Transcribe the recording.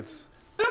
えっ。